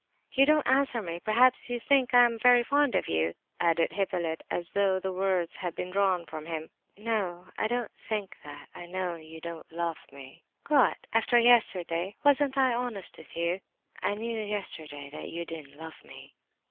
"You don't answer me; perhaps you think I am very fond of you?" added Hippolyte, as though the words had been drawn from him. "No, I don't think that. I know you don't love me." "What, after yesterday? Wasn't I honest with you?" "I knew yesterday that you didn't love me."